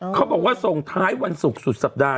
เขาบอกว่าส่งท้ายวันศุกร์สุดสัปดาห